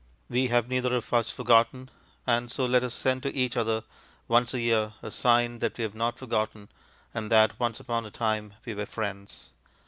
We have neither of us forgotten; and so let us send to each other, once a year, a sign that we have not forgotten, and that once upon a time we were friends.